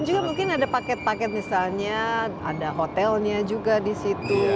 dan juga mungkin ada paket paket misalnya ada hotelnya juga di situ